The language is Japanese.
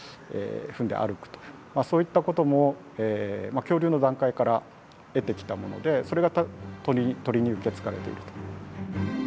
そういったことも恐竜の段階から得てきたものでそれが鳥に受け継がれていると。